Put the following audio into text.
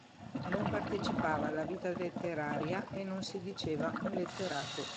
Non partecipava alla vita letteraria e non si diceva un letterato.